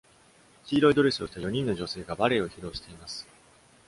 黄色いドレスを着た四人の女性がバレエを披露しています。